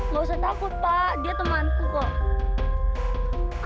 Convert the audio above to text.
gak usah takut pak dia temanku kok